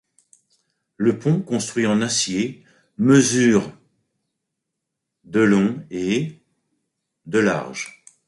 Le pont, construit en acier, mesure de long et de large.